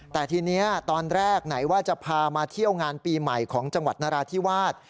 แต่ทีนี้ตอนแรกไหนว่าจะพามาเที่ยวงานปีใหม่ของจังหวัดนราธิวาส